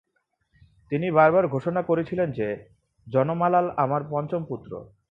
তিনি বারবার ঘোষণা করেছিলেন যে "জনমালাল আমার পঞ্চম পুত্র।